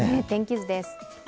天気図です。